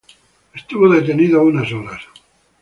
Estuvo detenido unas horas.